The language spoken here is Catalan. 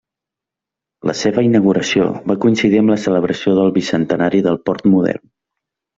La seva inauguració va coincidir amb la celebració del Bicentenari del Port Modern.